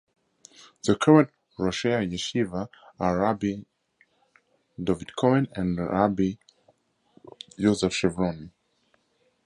The current "roshei yeshiva" are Rabbi Dovid Cohen and Rabbi Yosef Chevroni.